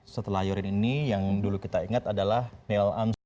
setelah yuri ini yang dulu kita ingat adalah niel amstel